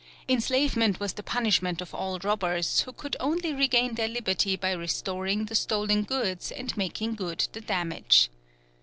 Enslavement was the punishment of all robbers, who could only regain their liberty by restoring the stolen goods and making good the damage.